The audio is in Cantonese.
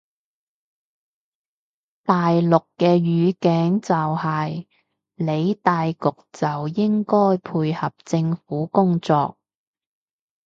大陸個語境就係理大局就應該配合政府工作